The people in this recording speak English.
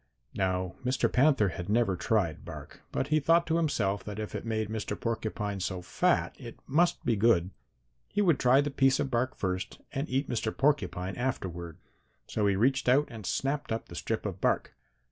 "Now Mr. Panther had never tried bark, but he thought to himself that if it made Mr. Porcupine so fat it must be good. He would try the piece of bark first and eat Mr. Porcupine afterward. So he reached out and snapped up the strip of bark.